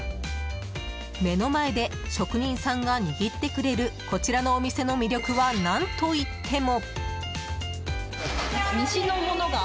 目の前で職人さんが握ってくれるこちらのお店の魅力は何といっても。